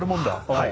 はい。